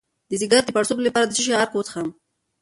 د ځیګر د پړسوب لپاره د څه شي عرق وڅښم؟